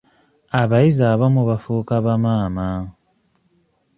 Abayizi abamu bafuuka ba maama.